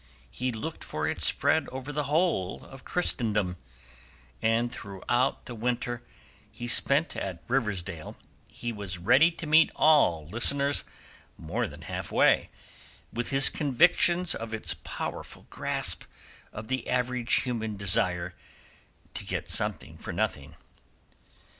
He looked for its spread over the whole of Christendom, and throughout the winter he spent at Riverdale he was ready to meet all listeners more than half way with his convictions of its powerful grasp of the average human desire to get something for nothing.